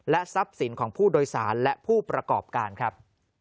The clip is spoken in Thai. ทรัพย์สินของผู้โดยสารและผู้ประกอบการครับ